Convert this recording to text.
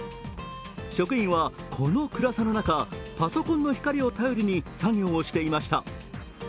職員はこの暗さの中、パソコンの光を頼りに作業をしてました。